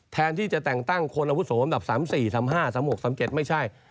แทนที่จะแต่งตั้งคนอาวุโสมอันดับ๓๔๓๕๓๖๓๗ไม่ใช่